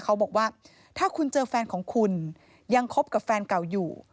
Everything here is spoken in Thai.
เขาบอกว่าถ้าคุณเจอแฟนของคุณยังคบกับแฟนเก่าอยู่